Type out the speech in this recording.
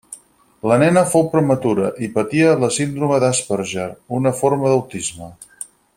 La nena fou prematura i patia la síndrome d'Asperger, una forma d'autisme.